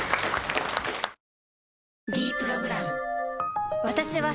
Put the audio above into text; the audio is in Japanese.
「ｄプログラム」